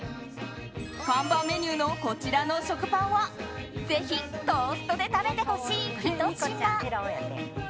看板メニューのこちらの食パンはぜひトーストで食べてほしいひと品。